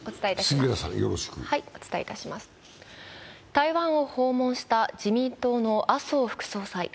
台湾を訪問した自民党の麻生副総裁。